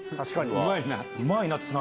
うまいな！